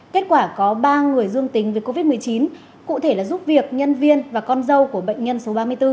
kết quả có ba người dương tính với covid một mươi chín cụ thể là giúp việc nhân viên và con dâu của bệnh nhân số ba mươi bốn